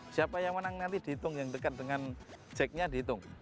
siapa yang menang nanti dihitung yang dekat dengan jacknya dihitung